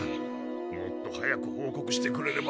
もっと早くほうこくしてくれれば。